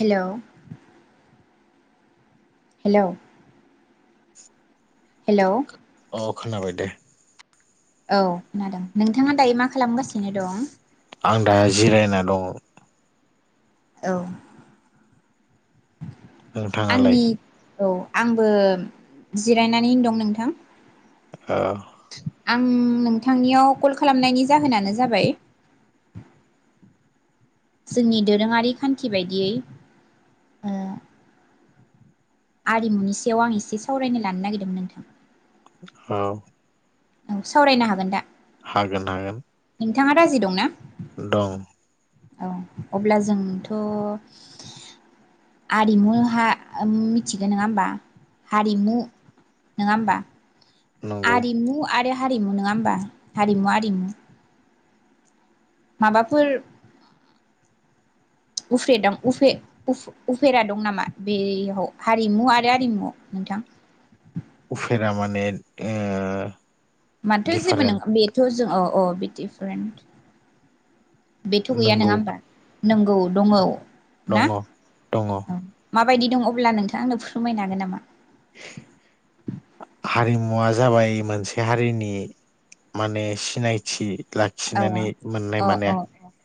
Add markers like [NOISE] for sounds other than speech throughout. Hello hello [INAUDIBLE] hello अ खोनाबाय दे। औ खोनादों नोंथाङा दायो मा खालामगासिनो दं? आं दा जिरायना दङ। औ। नोंथाङालाय? आंनि औ आंबो जिरायनानै दं नोंथां। औ आं नोंथांनियाव कल खालामनायनि जाहोनानो जाबाय जोंनि दोरोङारि खान्थि बायदियै आरिमुनि सायाव आं एसे सावरायनो लानो नागिरदोंमोन नोंथां औ औ सावरायनो हागोन दा? हागोन हागोन नोंथाङा राजि दं ना? दं औ अब्ला जोंथ' आरिमु मिथिगोन नङा होमबा हारिमु नङा होमबा नंगौ आरिमु आरो हारिमु नङा होमबा हारिमु आरिमु माबाफोर उफ्रे दां उफेरा दं नामा बेयाव हारिमु आरो आरिमु नोंथां? उफेरा माने ओ माथो जेबो दिफारेन्ट नङा बेथ' जों औ औ बि दिफारेन्ट बेथ' गैया नङा नंगौ होमबा नंगौ दङ ना दङ दङ औ माबायदि दं अब्ला नोंथां आंनो फोरमायनो हागोन नामा? [INAUDIBLE] हारिमुवा जाबाय मोनसे हारिनि माने सिनायथि औ लाखिनानै मोननाय अ माने अ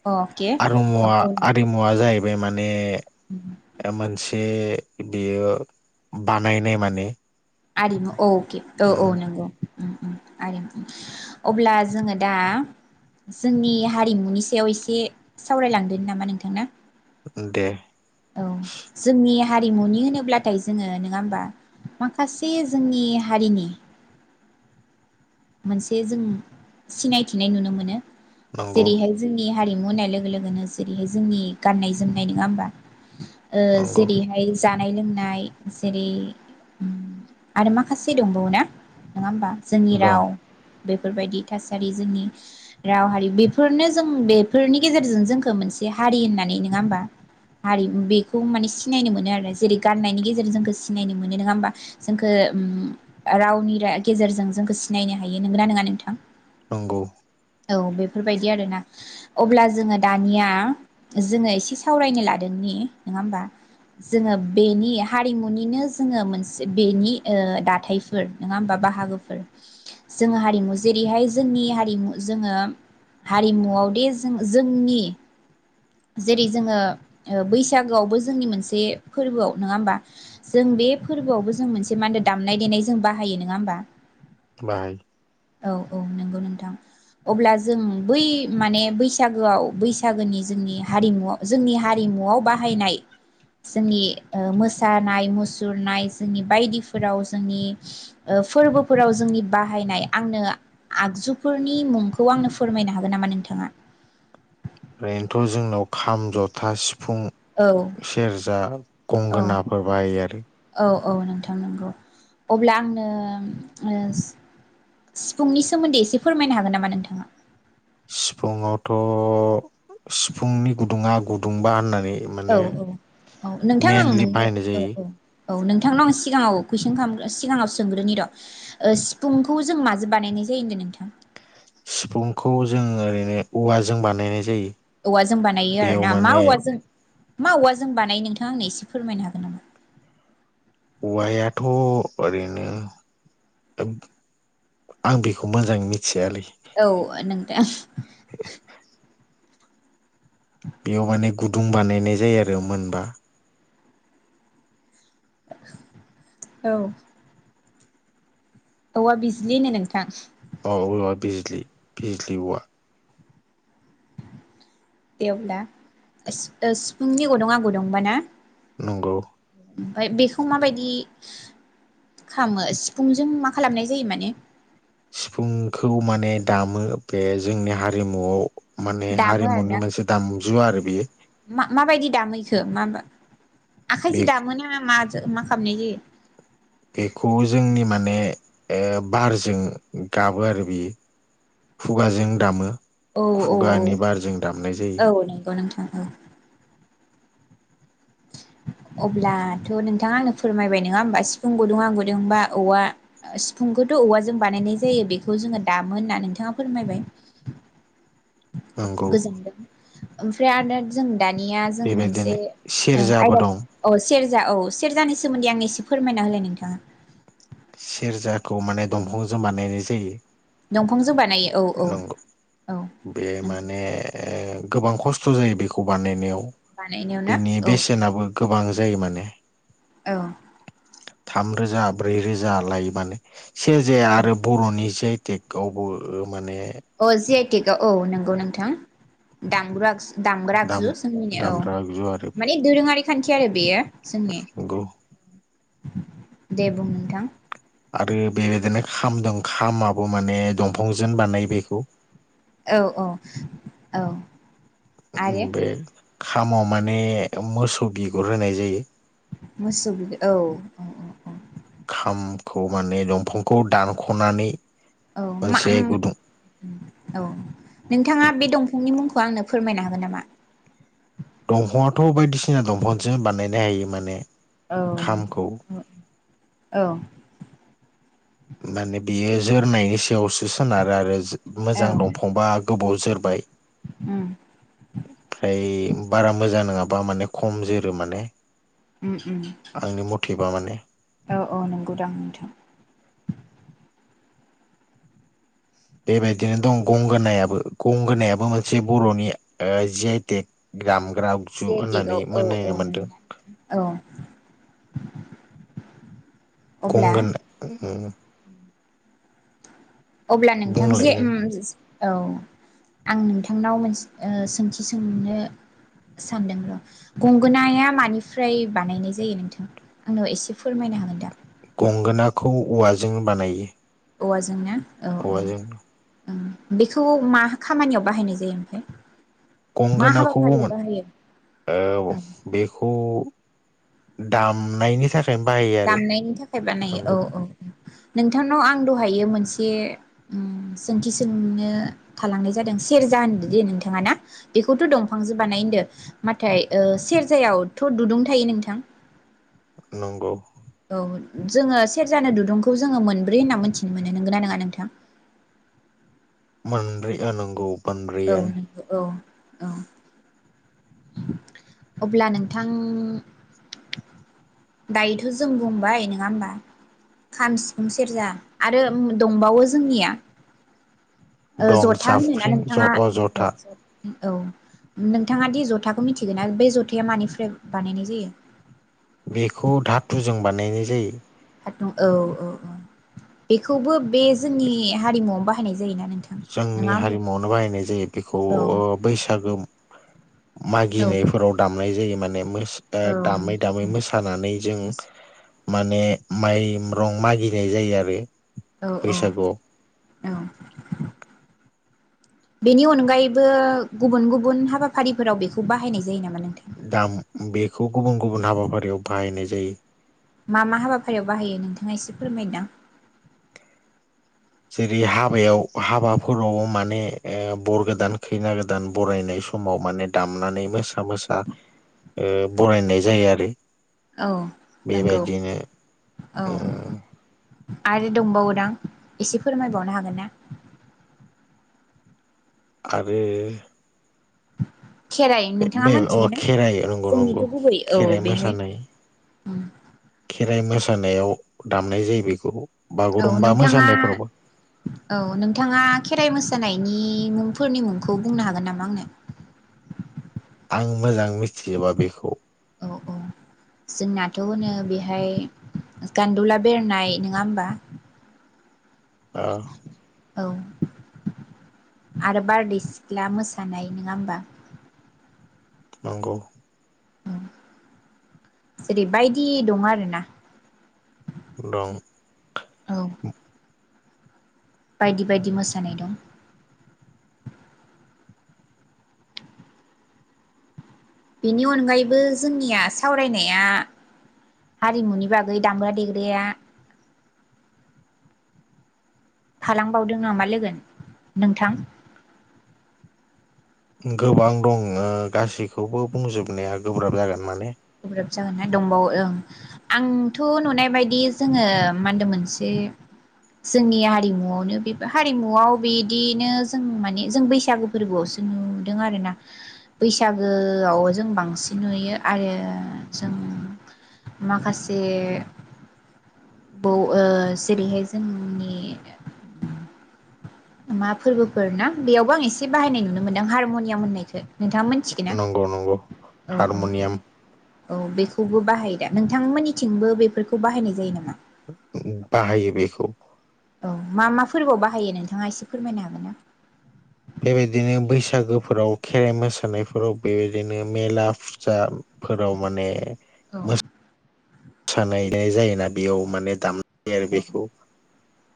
अ अके औ आरिमुव औ आरिमुवा जाहैबाय माने ओ मोनसे बेयो बानायनाय माने आरिमु औ उके औ औ उम नंगौ। उम उम आरिमु। अब्ला जोङो दा जोंनि हारिमुनि सायाव एसे सावरायलांदोनि नामा नोंथां ना? ओं दे। औ जोंनि हारिमुनि होनोब्लाथाय जोङो नङा होनबा माखासे जोंनि हारिनि मोनसे जों सिनायथिनाय नुनो मोनो नंगौ जेरैहाय जोंनिया हारिमु होननाय लोगो लोगोनो जेरैहाय जोंनि गाननाय जोमनाय नङा होमबा? ओ नंगौ जेरैहाय जानाय लोंनाय जेरै आरो माखासे दंबावोना नङा होमबा? जोंनि दं राव बेफोरबायदि थासारि जोंनि राव हारिमु बेफोरनो जों बेफोरनि गेजेरजों जोंखौ मोनसे हारि होननानै नङा होमबा हारि बेखौ माने सिनायनो मोनो आरो जेरै गाननायनि गेजेरजों जोंखौ सिनायनो मोनो नङा होमबा जोंखौ रावनि गेजेरजों जोंखौ सिनायनो हायो नंगो नङा नोंथां? नंगौ औ बेफोरबायदि आरोना। अब्ला जोङो दानिया जोङो एसे सावरायनो लादोंनि नङा होमबा जोङो बेनि हारिमुनिनो जोङो मोनसे बेनि ओ दाथायफोर नङा होमबा बाहागोफोर जोङो हारिमु जेरैहाय जोंनि हारिमु जोङो हारिमुआव दे जों जोंनि जेरै जोङो बैसागोआवबो जोंनि मोनसे फोरबोआव नङा होमबा जों बे फोरबोआवबो जों मोनसे मा होनो दामनाय देनाय जों बाहायो नोङा होमबा? बाहायो औ औ नंगौ नोंथां अब्ला जों बै माने बैसागोआव बैसागोनि जोंनि हारिमुआव जोंनि हारिमुआव बाहायनाय जोंनि मोसानाय ओ मुसुरनाय जोंनि बायदिफोराव जोंनि फोरबोफोराव जोंनि बाहायनाय आंनो आगजुफोरनि मुंखौ आंनो फोरमायनो हागोन नामा नोंथाङा? ओरैनोथ' जोंनाव खाम, जथा, सि फुं, औ सेरजा, औ गंगोनाफोर बाहायो आरो। औ औ नोंथां नंगौ अब्ला आंनो सिफुंनि सोमोन्दै एसे फोरमायनो हागोन नामा नोंथाङा? सिफुुंआवथ' सिफुंनि गुदुङा गुदुंबा होननानै औ माने औ औ नोंथां आं मेनलि नोंनो बाहायनाय औ जायो औ औ नोंथांनाव आं सिगाङाव कुइसन खालाम सिगाङाव सोंग्रोनि र' सिफुंखौ जों माजों बानायनाय जायो होनदों नोंथां। सिफुंखौ जों ओरैनो औवाजों बानायनाय जायो। औवाजों बानायो आरो बेयाव ना मा माने औवाजों मा औवाजों बानायो नोंथाङा आंनो एसे फोरमायनो हागोन नामा औवायाथ' ओरैनो आं बेखौ मोजाङै मि औ नोंथां बेयाव माने गुदुं बानायनाय जायो आरो मोनबा औ औवा बिजलिनो नोंथां अ औवा बिजलि बिजलि औवा दे अब्ला सि ओ सिफुंनि गदं आ गदंबा ना नंगौ ओमफाय बेखौ माबायदि खामो सिफुंजों मा खालामनाय जायो माने सिफुंखौ माने दामो बे जोंनि हारिमुआव माने दामो आरो हारिमुनि ना मोनसे दामजु आरो बेयो खो माबा बे आखाइजों दामोना मा मा खालामनाय जायो बेखौ जोंनि मान ने ए बारजों गाबो आरो बियो खुगाजों दामो औ औ खुगानि बारजों दामनाय जायो औ औ नंगौ नोंथां ओ अब्लाथ' नोंथाङा आंनो फोरमायबाय नोङा होमबा सिफुं गुदुं आं गुदुंबा औवा सिफुंखौथ' औवाजों बानायनाय जायो बेखौ जोङो दामोन होनना नोंथाङा फोरमायबाय नंगौ गोजोनथों ओमफ्राय आरोदा जों दानिया जों मोनसे बेबायदिनो ओं सेरजाबो आयदा दं अ सेर जा औ सेरजानि सोमोन्दै आंनो एसे फोरमायना होलाय नोंथाङा सेरजाखौ माने दंफांजों बानायनाय जायो दंफांजों बानायो औ औ नंगौ औ बे नंगौ माने गोबां खस थ'' जायो बेखौ बानायनायाव बानायनायाव ना बिनि औ बेसेनाबो गोबां जायो माने औ थाम रोजा ब्रै रोजा लायो माने सेरेजाया आरो बर'नि जि आइ टेक आवबो माने अ जि आइ टेक औ नंगौ नोंथां दामग्रा आगजु दामग्रा दाम आगजु जोंनिनो औ दामग्रा आगजु आरो माने दोरोङारि खान्थि आरो बेयो जोंनि नंगौ दे बुं नोंथां आरो बेबायदिनो खाम दं खामाबो माने दंफांजों बानायो बेखौ औ औ औ उम आरो बे खामाव माने मोसौ बिगुर होनाय जायो मोसौ बि औ औ औ औ खामखौ माने दंफांखौ दानख'नानै औ मा मोनसे उम गुदुं औ नोंथाङा बे दंफांनि मुं खौ आंनो फोरमायनो हागोन नामा दंफांआथ' बायदि सिना दंफांजों बानायनो हायो माने औ खामखौ ओ औ माने बियो जोरनायनि सायावसो सोनारो आरो जो औ मोजां दंफांबा गोबाव जोरबाय उम ओमफ्राय बारा मोजां नोङाबा माने खम जोरो माने उम उम आंनि मथेबा माने औ औ नोंगौदां नोंथां। बेबायदिनो दं गंगोनायाबो गंगोनायाबो मोनसे बर'नि ओ जि आइ टेक ग्राम ग्रा जि आगजु आइ टेकआव होननानै औ औ मोनेनो मोनदों नंगौदां औ अब्ला गंगोन उम अब्ला नोंथां जे बुंलाय नों उमज औ आं नोंथांनाव मोनस ओ सोंथि सोंनो सानदों र' गंगोनाया मानिफ्राय बानायनाय जायो नोंथां आंनो एसे फोरमायनो हागोन दा गंगोनाखौ औवाजों बानायो। औवाजोंनो औवा जोंनो बिखौ मा खामानियाव बाहायनाय जायो ओमफाय? गंगोनाखौबो मोन औ बेखौ दाम नायनि था दामनायनि थाखाय बानायो औ औ। नोंथांनाव आं दहायो मोनसे ओम सोंथि सोंनो थालांनाय जादों सेरजा होनदो दे नोंथाङा ना बेखौथ' दंफांजो बानाय होनदो नाथाय ओ सेरजायावथ' दुदुं थायो नोंथां। नंगौ। औ जोङो सेरजानो दुदुंखौ जोङो मोनब्रै होनना मोनथिनो मोनो। नोंगोना नोङा नोंथां? मोनब्रै ओ नोंगौ। औ नोंगौ औ। औ अब्ला नोंथां दायोथ' जों बुंबाय नोङा होमबा खाम सिफुं सेरजा आरो दंबावो जोंनिया ओ दं जथा होनोना जाबख्रिं ज नोंथाङा अ जथा [UNINTELLIGIBLE] औ नोंथाङा दि जथाखो मिथिगोना बे जथाया मानिफ्राय बानायनाय जायो? बेखौ धाथुजों बानायनाय जायो। धातुं औ औ औ बेख खौबो बे जोंनि हारिमुआवनो बा हानाय जायो ना नों जोंनि हारिमुआवनो बाहायनाय जायो बेखौ औ अ बैसागो मागिनायफोराव दामनाय जायो। माने मोस ओ औ दामै दामै मोसानानै जों माने माइ म्रं मागिनाय जायो आरो। औ औ बैसागुआव औ बेनि अनगायैबो गुबुन गुबुन हाबाफारिफोराव बेखौ बाहायनाय जायो नाम दाम बेखौ गुबुन गुबुन हाबा फारिआव बाहायनाय जायो। मा मा हाबाफारियाव बाहायो नोंथाङा एसे फोरमायदां जेरै हाबायाव हाबाफोरावबो माने ओ बर गोदान खैना गोदान बरायनाय समाव माने दामनानै मोसा मोसा ओ बरायनाय जायो आरो। औ नोंगौ बेबायदिनो औ ओ आरो दंबावोदां एसे फोरमायबावनो हागोन ना? आरो खेराइ बे नोंथाङा बे अ मोनथिगोन ना खेराइ नंगौ नंगौ जोंनिथ' गुबै औ खेराइ बेहाय मोसानाय औ खेराइ मो सानायाव दामनाय जायो बेखौ। औ बागुरुम्बा नोंथाङा मोसानायफोरावबो औ नोंथाङा खेराइ मोस सानायनि मुंफोरनि मुंखौ बुंनो हागोन नामा आंनो आं मोजां मिथिजोबा बेखौ औ औ जोंनाथ' होनो बेहाय गान्दुला बेरनाय नङा होमबा? ओ औ आरो बारदै सिख्ला मोसानाय नोङा होमबा? नंगौ। उम जेरै बायदि दं आरो ना। दं औ बायदि बायदि मोसानाय दं। बेनि अनगायैबो जोंनिया सावरायनाया हारिमुनि बागै दामग्रा देग्राया थालांबावदों नामा लोगोन नोंथां? गोबां दं ओ गासैखौबो बुंजोबनाया गोब्राब जागोन माने। गोब्राब जागोन ना दंबावो ओं आंथ' नुनाय बायदि जोङो मा होनदों मोनसे जोंनि हारिमुआवनो बेबो हारिमुआव बिदिनो जों माने जों बैसागो फोरबोआवसो नुदों आरोना बैसागोआव जों बांसिन नुयो आरो। ओ जों माखासे बौ ओ जेरैहाय जोंनि मा फोरबोफोर ना बेयावबो आं एसे बाहायनाय नुनो मोनदों हारम'नियाम होननायखो नंगौ नंगौ औ हारमनियाम। औ बेखौबो बाहायो दा नोंथांमोननिथिंबो बेफोरखौ बाहायनाय जायो नामा? उम बाहायो बेखौ औ मा मा फोरबोआव बाहायो नोंथाङा एसे फोरमायनो हागोन ना? बेबायदिनो बैसागोफोराव खेराइ मोसानायफोराव बेबायदिनो मेला फुजाफोराव माने औ सानायनाय जायोना बेयाव माने दाम औ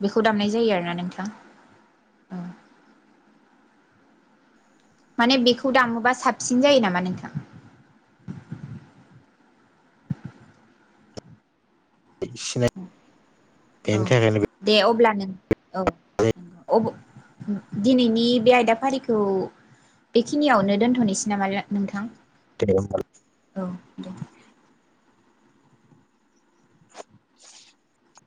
बेखौ दामनाय जायो आरोना नोंथां ओ माने बेखौ दामोबा साबसिन जायो नामा नोंथां? औ [UNINTELLIGIBLE] [UNINTELLIGIBLE] दिनैनि बे आयदाफारिखौ बेखिनियावनो दोनथ'नोसै नामा ला नोंथां औ [INAUDIBLE] दे